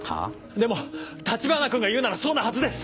でも橘君が言うならそうなはずです！